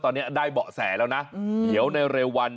ตอนนี้ได้เบาะแสแล้วนะเดี๋ยวในเร็ววัน